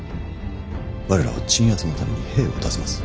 我らは鎮圧のために兵を出せます。